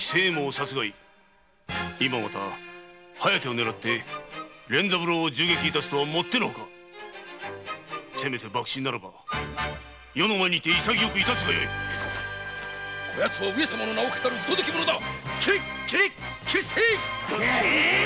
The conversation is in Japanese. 今また「疾風」を狙って連三郎を銃撃致すとはもってのほかせめて幕臣ならば余の前で潔く致すがよいこやつは上様の名をかたる不届き者だ。